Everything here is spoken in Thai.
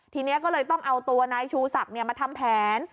ทีนี้ก็เลยต้องเอาตัวนายชูศักดิ์มาทำแผน